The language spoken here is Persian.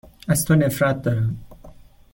از تو نفرت دارم.